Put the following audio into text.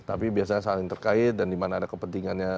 tapi biasanya saling terkait dan di mana ada kepentingannya